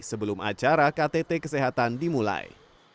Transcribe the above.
secara ktt kesehatan dimulai